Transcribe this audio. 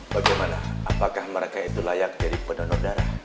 bagaimana apakah mereka itu layak jadi pendonor darah